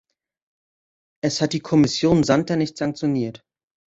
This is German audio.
Es hat die Kommission Santer nicht sanktioniert.